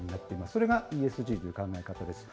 それがＥＳＧという考え方です。